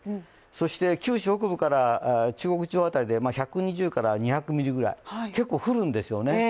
そして九州北部から中国地方辺りで１５０から２００ミリぐらい、結構降るんですよね。